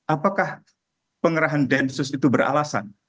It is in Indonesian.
apakah pengerahan densus itu beralasan